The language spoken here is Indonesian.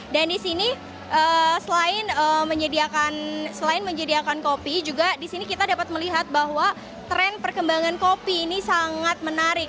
dan di sini selain menyediakan kopi juga di sini kita dapat melihat bahwa tren perkembangan kopi ini sangat menarik